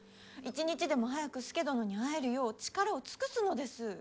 一日でも早く佐殿に会えるよう力を尽くすのです。